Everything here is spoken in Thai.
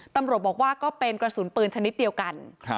ตำรวจบอกว่าก็เป็นกระสุนปืนชนิดเดียวกัน